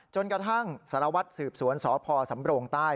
จนกระทั่งสารวัตรสืบสวนสพสำโรงใต้